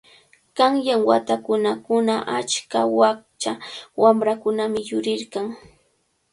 Qanyan watakunakuna achka wakcha wamrakunami yurirqan.